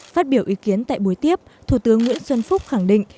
phát biểu ý kiến tại buổi tiếp thủ tướng nguyễn xuân phúc khẳng định